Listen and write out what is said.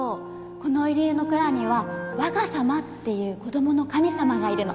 この家の蔵にはわが様っていう子供の神様がいるの